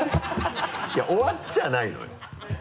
いや終わっちゃいないのよ。